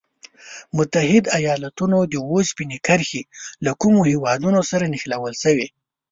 متحد ایلاتونو د اوسپنې کرښې له کومو هېوادونو سره نښلول شوي؟